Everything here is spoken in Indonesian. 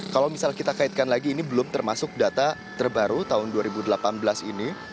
kalau misalnya kita kaitkan lagi ini belum termasuk data terbaru tahun dua ribu delapan belas ini